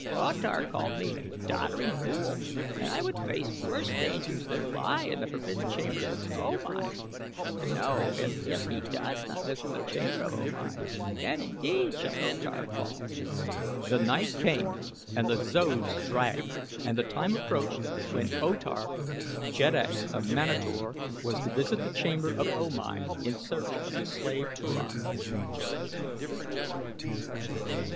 "O Tar called me 'doddering fool' and I would face worse dangers than lie in the forbidden chambers of O Mai to know it if he does not visit the chamber of O Mai. Then indeed shall O Tar fall!" The night came and the zodes dragged and the time approached when O Tar, Jeddak of Manator, was to visit the chamber of O Mai in search of the slave Turan.